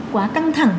quá căng thẳng